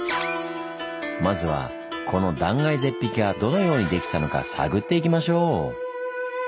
まずはこの断崖絶壁がどのようにできたのか探っていきましょう！